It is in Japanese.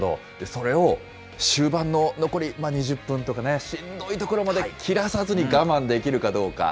それを終盤の残り２０分とかね、しんどいところまで切らさずに我慢できるかどうか。